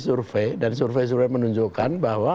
survei dan survei survei menunjukkan bahwa